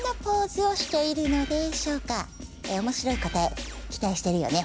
私は面白い答え期待してるよね！